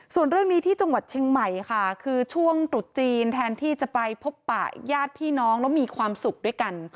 ส่วนเรื่องนี้ที่จังหวัดเชียงใหม่ค่ะคือช่วงตรุษจีนแทนที่จะไปพบปะญาติพี่น้องแล้วมีความสุขด้วยกัน